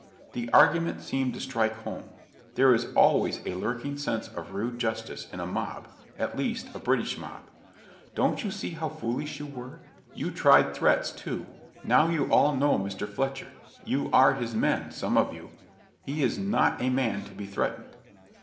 The argument seemed to strike home. There is always a lurking sense of rude justice in a mob at least a British mob. "Don't you see how foolish you were? You tried threats, too. Now you all know Mr. Fletcher; you are his men some of you. He is not a man to be threatened."